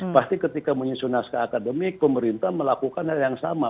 pasti ketika menyusun naskah akademik pemerintah melakukan hal yang sama